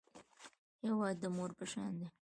هېواد د مور په شان دی